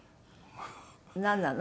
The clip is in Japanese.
なんなの？